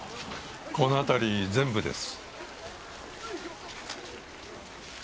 この辺り全部です。